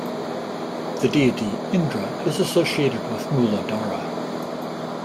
The deity Indra is associated with Muladhara.